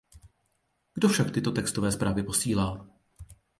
Kdo však tyto textové zprávy posílá?